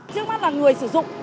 trước mắt là người sử dụng